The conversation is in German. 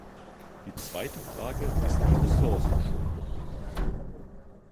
Die zweite Frage ist die Ressourcenschonung.